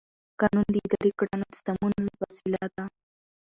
قانون د اداري کړنو د سمون وسیله ده.